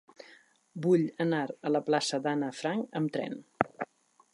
Vull anar a la plaça d'Anna Frank amb tren.